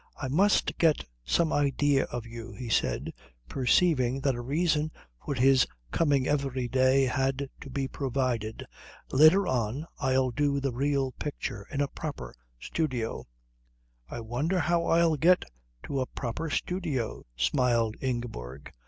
"I must get some idea of you," he said, perceiving that a reason for his coming every day had to be provided. "Later on I'll do the real picture. In a proper studio." "I wonder how I'll get to a proper studio?" smiled Ingeborg.